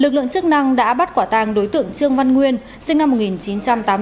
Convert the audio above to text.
lực lượng chức năng đã bắt quả tàng đối tượng trương văn nguyên sinh năm một nghìn chín trăm tám mươi bốn